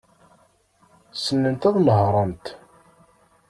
Ssnent ad nehṛent.